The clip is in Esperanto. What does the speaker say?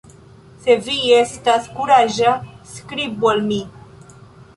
Se vi estas kuraĝa, skribu al mi!